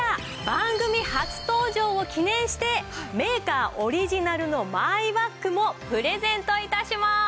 番組初登場を記念してメーカーオリジナルのマイバッグもプレゼント致します！